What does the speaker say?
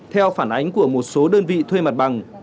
theo phản ánh của một số đơn vị thuê mặt bằng